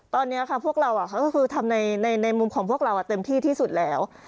ตอนนี้ค่ะพวกเราก็คือทำในมุมของพวกเราเต็มที่ที่สุดแล้ว